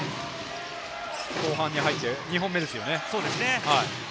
後半に入って２本目ですよね。